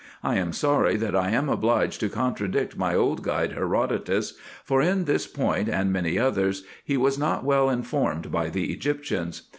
I am sorry that I am obliged to contradict my old guide Herodotus ; for in this point, and many others, he was not well informed by the Egyptians.